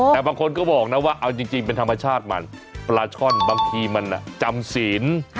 แต่บางคนก็บอกนะว่าเอาจริงเป็นธรรมชาติมันปลาช่อนบางทีมันจำศีล